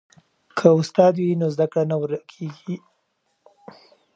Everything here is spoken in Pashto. که استاد وي نو زده کړه نه ورکیږي.